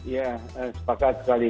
ya sepakat sekali